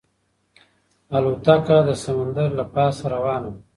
الوتکه د سمندر له پاسه روانه وه.